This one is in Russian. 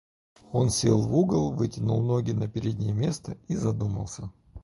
Он сел в угол, вытянул ноги на переднее место и задумался.